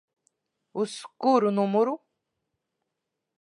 Uz kuru numuru?